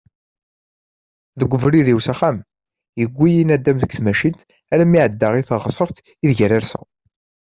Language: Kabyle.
Deg ubrid-iw s axxam, yewwi-yi nadam deg tmacint armi εeddaɣ i teɣsert ideg ara rseɣ.